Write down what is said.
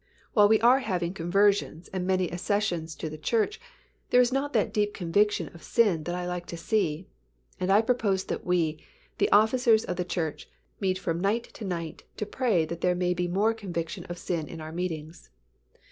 While we are having conversions and many accessions to the church, there is not that deep conviction of sin that I like to see, and I propose that we, the officers of the church, meet from night to night to pray that there may be more conviction of sin in our meetings."